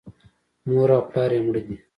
مور او پلار یې مړه دي .